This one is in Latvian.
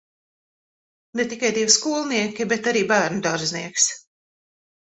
Ne tikai divi skolnieki, bet arī bērnudārznieks.